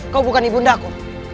kau bukan ibu undaku